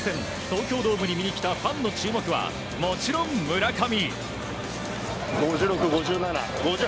東京ドームに見に来たファンの注目は、もちろん村上。